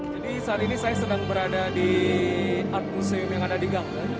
jadi saat ini saya sedang berada di art museum yang ada di gangneung